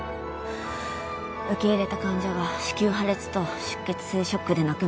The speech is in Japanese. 受け入れた患者が子宮破裂と出血性ショックで亡くなったの。